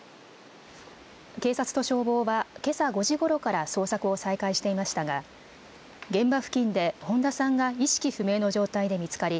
警察と消防は、けさ５時ごろから捜索を再開していましたが現場付近で本田さんが意識不明の状態で見つかり